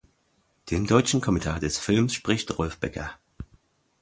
Den deutschen Kommentar des Films spricht Rolf Becker.